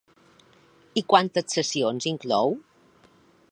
I quantes sessions inclou?